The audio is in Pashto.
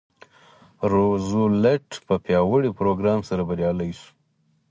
روزولټ په پیاوړي پروګرام سره بریالی شو.